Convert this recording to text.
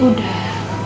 aku setuju sama margo